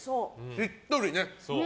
しっとりね。